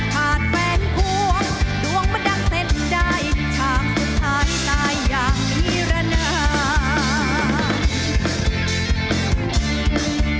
ขาดแฟนควงดวงมาดักเสร็จได้ชามสุดท้ายตายอย่างสุดท้าย